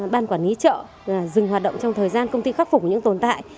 ban quản lý chợ dừng hoạt động trong thời gian công ty khắc phục những tồn tại